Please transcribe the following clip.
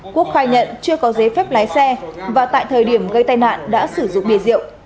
quốc khai nhận chưa có giấy phép lái xe và tại thời điểm gây tai nạn đã sử dụng bia rượu